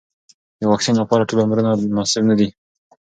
د واکسین لپاره ټول عمرونه مناسب نه دي.